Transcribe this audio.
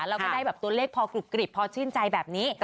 แล้วก็ได้แบบตัวเลขพอกรุบกริบพอชื่นใจแบบนี้